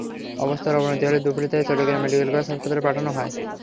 অবস্থার অবনতি হলে দুপুরে তাঁকে চট্টগ্রাম মেডিকেল কলেজ হাসপাতালে পাঠানো হয়।